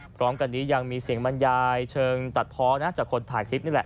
พร้อมกันนี้ยังมีเสียงบรรยายเชิงตัดพอนะจากคนถ่ายคลิปนี่แหละ